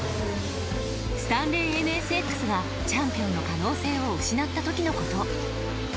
スタンレーＮＳＸがチャンピオンの可能性を失ったときのこと。